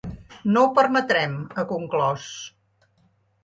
No ho permetrem, ha conclòs.